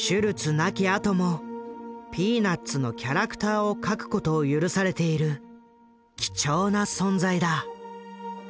亡きあとも「ピーナッツ」のキャラクターを描くことを許されている貴重な存在だ。